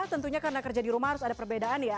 tentunya karena kerja di rumah harus ada perbedaan ya